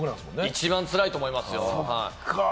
一番つらいと思いますよ。